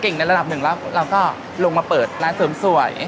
ในระดับหนึ่งแล้วเราก็ลงมาเปิดร้านเสริมสวย